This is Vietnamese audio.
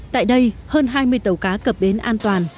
tại đây hơn hai mươi tàu cá cập đến an toàn